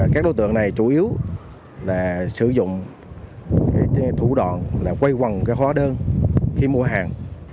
các đối tượng này chủ yếu là sử dụng thủ đoạn là quay quần hóa đơn khi mua hàng